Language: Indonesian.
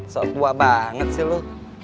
sos buah banget sih lu